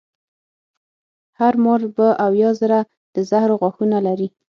هر مار به اویا زره د زهرو غاښونه لري.